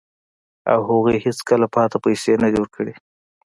او هغوی هیڅکله پاتې پیسې نه دي ورکړي